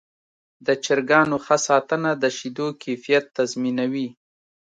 د چرګانو ښه ساتنه د شیدو کیفیت تضمینوي.